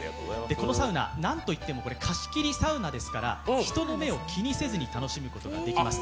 このサウナ、なんといっても貸し切りサウナですから人の目を気にせずに楽しむことができます。